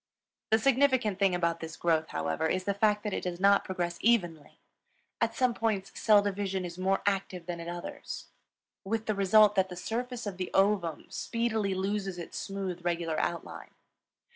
The significant thing about this growth, however, is the fact that it does not progress evenly. At some points cell division is more active than at others, with the result that the surface of the ovum speedily loses its smooth, regular outline.